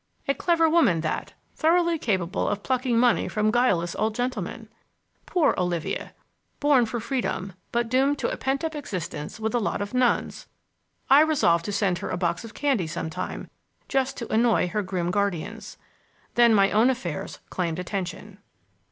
A clever woman, that! Thoroughly capable of plucking money from guileless old gentlemen! Poor Olivia! born for freedom, but doomed to a pent up existence with a lot of nuns! I resolved to send her a box of candy sometime, just to annoy her grim guardians. Then my own affairs claimed attention.